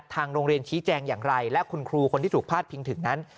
ทางโรงเรียนชี้แจงอย่างไรและคุณครูคนที่ถูกพาดพิงถึงนั้น